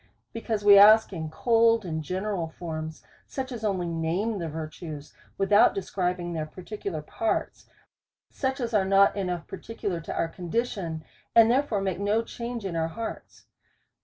Because we ask in cold and general forms, such as only name the virtues without describing their particular parts, such as are not enough particular to our condition, and therefore make no change in our hearts.